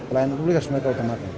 pelayanan publik harus mereka utamakan